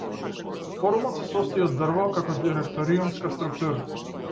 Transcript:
Форумот се состои од дрво како директориумска структура.